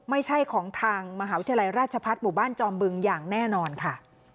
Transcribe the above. ไม่ใช่ของทางมหาวิทยาลัยราชพัฒน์หมู่บ้านจอมบึงอย่างแน่นอนค่ะ